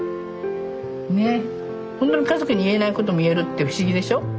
ほんとに家族に言えないことも言えるって不思議でしょ？